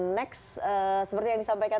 next seperti yang disampaikan